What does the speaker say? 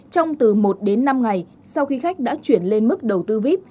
trong từ một đến năm ngày sau khi khách đã chuyển lên mức đầu tư vip